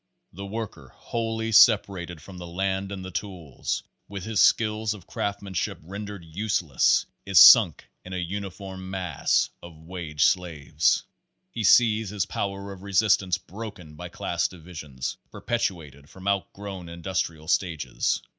The worker, wholly separated from the land and the tools, with his skill of craftsmanship rendered useless, is sunk in theuniformmassofwageslaves. He sees his power of resistance broken by class divisions, perpet uated from outgrown industrial stages.